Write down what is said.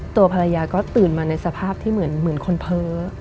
ตัวภรรยาก็ตื่นมาในสภาพที่เหมือนคนเพ้อ